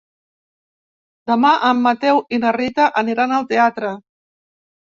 Demà en Mateu i na Rita aniran al teatre.